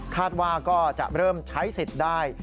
ว่าจะเริ่มใช้สิทธิ์ได้